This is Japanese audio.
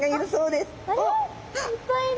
いっぱいいる。